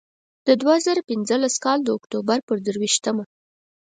د دوه زره پینځلس کال د اکتوبر پر درویشتمه.